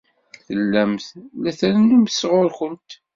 Tellamt la d-trennumt sɣur-went.